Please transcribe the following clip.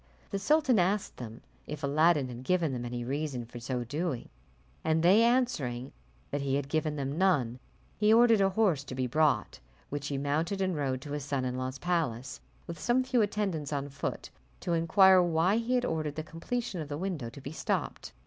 The sultan asked them if Aladdin had given them any reason for so doing, and they answering that he had given them none, he ordered a horse to be brought, which he mounted, and rode to his son in law's palace, with some few attendants on foot, to inquire why he had ordered the completion of the window to be stopped.